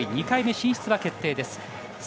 ２回目進出は決定です。